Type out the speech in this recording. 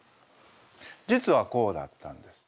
実はこうだったんです。